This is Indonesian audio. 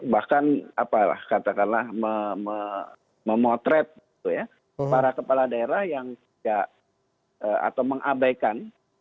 bahkan memotret para kepala daerah yang tidak atau mengabaikan